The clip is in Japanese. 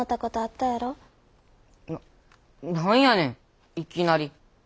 な何やねんいきなり。